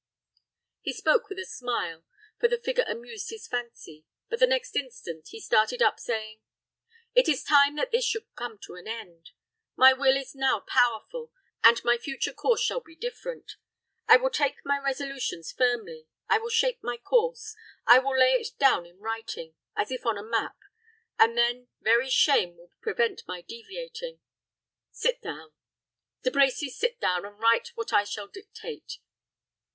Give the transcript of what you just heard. He spoke with a smile, for the figure amused his fancy; but the next instant he started up, saying, "It is time that this should come to an end. My will is now powerful, and my future course shall be different. I will take my resolutions firmly I will shape my course I will lay it down in writing, as if on a map, and then very shame will prevent my deviating. Sit down. De Brecy, sit down, and write what I shall dictate."